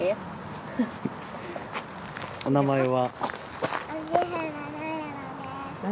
お名前は？